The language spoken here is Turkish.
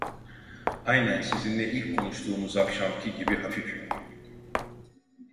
Aynen sizinle ilk konuştuğumuz akşamdaki gibi hafifim…